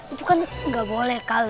itu kan nggak boleh